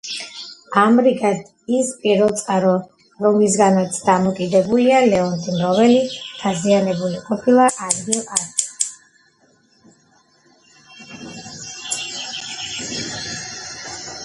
ამრიგად, ის პირველწყარო, რომლისგანაც დამოკიდებულია ლეონტი მროველი, დაზიანებული ყოფილა ადგილ-ადგილ.